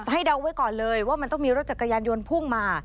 เดาไว้ก่อนเลยว่ามันต้องมีรถจักรยานยนต์พุ่งมา